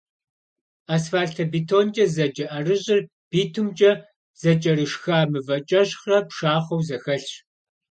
Асфальтобетонкӏэ зэджэ ӏэрыщӏыр битумкӏэ зэкӏэрышха мывэкӏэщхърэ пшахъуэу зэхэлъщ.